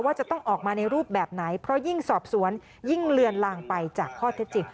จะต้องออกมาในรูปแบบไหนเพราะยิ่งสอบสวนยิ่งเลือนลางไปจากข้อเท็จจริง